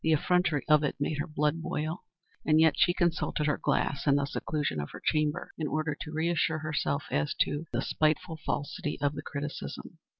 The effrontery of it made her blood boil; and yet she consulted her glass in the seclusion of her chamber in order to reassure herself as to the spiteful falsity of the criticism.